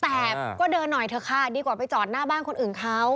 แต่ก็เดินหน่อยเถอะค่ะดีกว่าไปจอดหน้าบ้านคนอื่นเขา